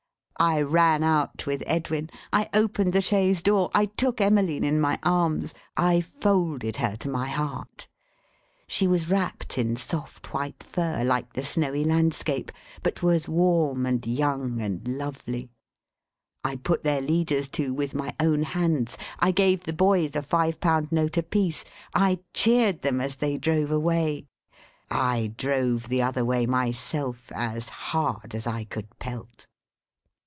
I ran out with Edwin, I opened the chaise door, I took Emmeline in my arms, I folded her to my heart. She was wrapped in soft white fur, like the snowy landscape: but was warm, and young, and lovely. I put their leaders to with my own hands, I gave the boys a five pound note apiece, I cheered them as they drove away, I drove the other way myself as hard as I could pelt.